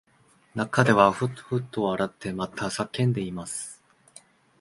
中ではふっふっと笑ってまた叫んでいます